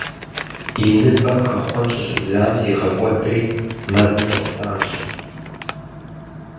И ныбэм хэхъуэн щыщӀидзэм, зигъэкӀуэдри, мэзым щӀэсащ.